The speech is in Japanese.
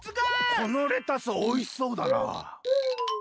このレタスおいしそうだな。